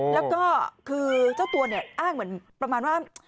แล้วก็คือเจ้าตัวเนี่ยอ้างเหมือนประมาณว่า